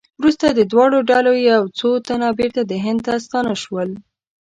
وروسته د دواړو ډلو یو څو تنه بېرته هند ته ستانه شول.